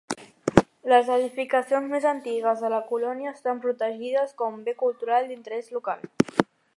Les edificacions més antigues de la colònia estan protegides com Bé cultural d'interès local.